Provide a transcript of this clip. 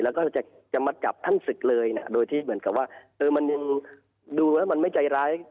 แล้วก็จะมาจับท่านศึกเลยโดยที่ดูมาไม่ใจร้าย